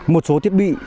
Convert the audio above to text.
một số thiết bị